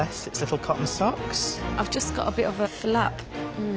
うん。